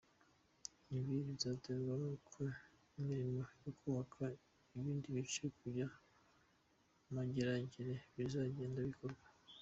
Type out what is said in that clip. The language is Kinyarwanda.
Ibi bizaterwa n’uko imirimo yo kubaka ibindi bice kuya Mageragere bizagenda bikorwa.